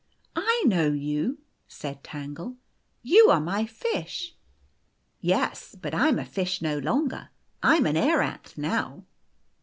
"I know you," said Tangle. " You are my fish." " Yes. But I am a fish no longer. I am an aeranth now."